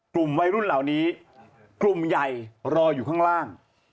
กลุ่มวัยรุ่นเหล่านี้กลุ่มใหญ่รออยู่ข้างล่าง